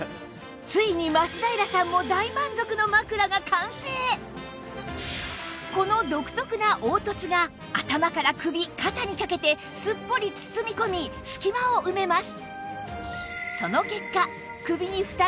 ついにこの独特な凹凸が頭から首・肩にかけてすっぽり包み込み隙間を埋めます